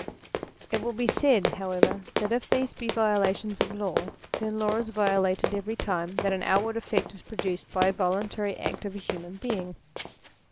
It will be said, however, that if these be violations of law, then law is violated every time that any out ward effect is produced by a voluntary act of a human being.